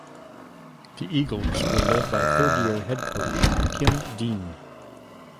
The Eagles were led by third year head coach Kim Dean.